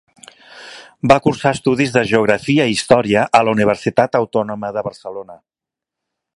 Va cursar estudis de Geografia i Història a la Universitat Autònoma de Barcelona.